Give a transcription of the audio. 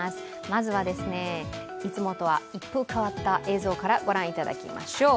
まずはいつもとは一風変わった映像から御覧いただきましょう。